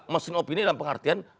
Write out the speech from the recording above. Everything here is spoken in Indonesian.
mesin opini dalam pengertian